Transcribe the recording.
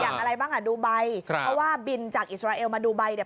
อย่างอะไรบ้างอ่ะดูไบเพราะว่าบินจากอิสราเอลมาดูไบเนี่ย